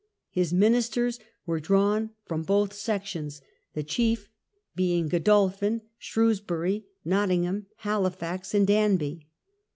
!His ministers were drawn from both sections, the chief being Godolphin, Shrewsbury, Nottingham, Halifax, and Danby.